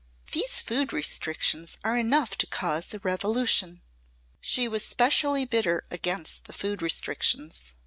These food restrictions are enough to cause a revolution." She was specially bitter against the food restrictions.